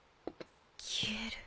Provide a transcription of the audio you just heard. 消える？